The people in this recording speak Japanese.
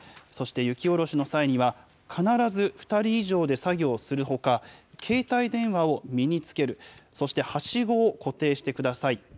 そして雪下ろしの際には、必ず２人以上で作業をするほか、携帯電話を身につける、そしてはしごを固定してください。